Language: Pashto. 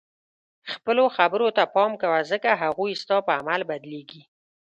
خپلو خبرو ته پام کوه ځکه هغوی ستا په عمل بدلیږي.